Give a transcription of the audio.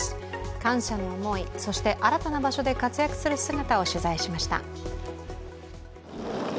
感謝の思い、そして新たな場所で活躍する姿を取材しました。